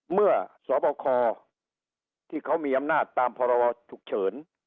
เมื่อสวบครที่เขามีอำนาจตามภรรณาถูกเฉิน